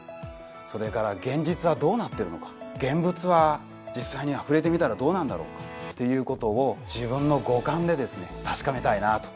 それから現実はどうなってるのか現物は実際に触れてみたらどうなんだろうかっていうことを自分の五感でですね確かめたいなと。